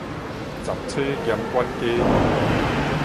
雜差兼管家